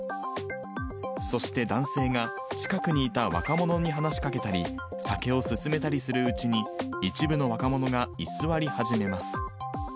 そして男性が、近くにいた若者に話しかけたり、酒を勧めたりするうちに、一部の若者が居座り始めます。